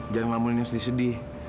jangan ngelamunin yang sedih sedih